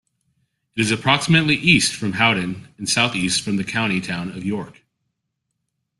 It is approximately east from Howden and south-east from the county town of York.